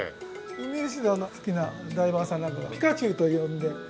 ウミウシの好きなダイバーさんなんかがピカチュウと呼んで。